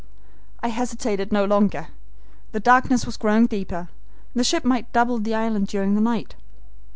"I hesitated no longer. The darkness was growing deeper. The ship might double the island during the night.